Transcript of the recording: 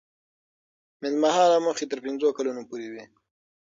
منځمهاله موخې تر پنځو کلونو پورې وي.